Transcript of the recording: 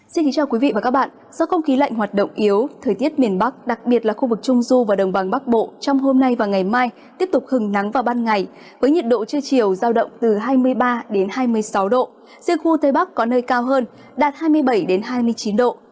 xin kính chào quý vị và các bạn do không khí lạnh hoạt động yếu thời tiết miền bắc đặc biệt là khu vực trung du và đồng bằng bắc bộ trong hôm nay và ngày mai tiếp tục hứng nắng vào ban ngày với nhiệt độ chưa chiều giao động từ hai mươi ba hai mươi sáu độ riêng khu tây bắc có nơi cao hơn đạt hai mươi bảy hai mươi chín độ